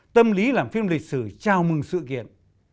tâm lý làm phim lịch sử chào mừng sự kiện